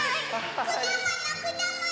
くだものくだもの！